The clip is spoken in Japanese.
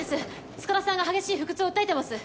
塚田さんが激しい腹痛を訴えてます。